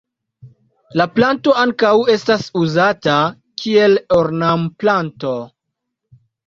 La planto ankaŭ estas uzata kiel ornamplanto.